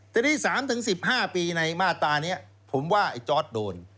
ทีนี้๓๑๕ปีในมาตรานี้ผมว่าไอ้จอร์ดโดน